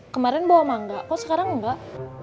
kemarin bawa mangga kok sekarang enggak